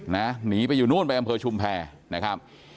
หนีไปอยู่นู่นไปอำเภอชุมแพรนะครับ